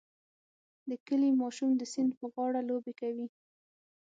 د کلي ماشوم د سیند په غاړه لوبې کوي.